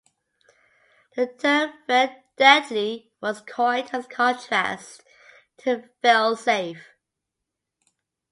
The term "fail-deadly" was coined as a contrast to "fail-safe".